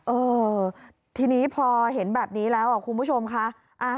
เออทีนี้พอเห็นแบบนี้แล้วคุณผู้ชมค่ะ